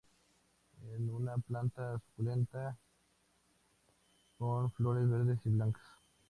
Es una planta suculenta con flores verdes o blancas.